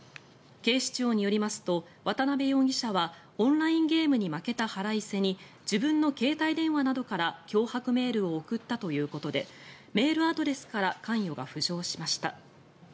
警視庁によりますと渡辺容疑者はオンラインゲームに負けた腹いせに自分の携帯電話などから脅迫メールを送ったということでメールアドレスから関与が浮上しました。